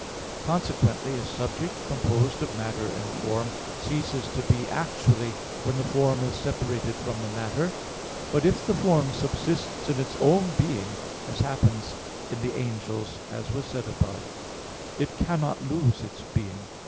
Consequently a subject composed of matter and form ceases to be actually when the form is separated from the matter. But if the form subsists in its own being, as happens in the angels, as was said above (A. 2), it cannot lose its being.